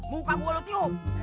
muka gua lu tiup